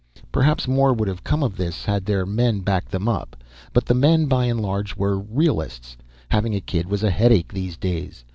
Perhaps more would have come of this if their men had backed them up; but the men, by and large, were realists. Having a kid was a headache these days.